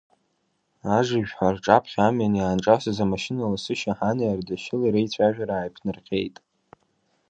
Ажыжәҳәа рҿаԥхьа амҩан иаанҿасыз амашьына ласы Шьаҳани Ардашьыли реицәажәара ааиԥнарҟьеит.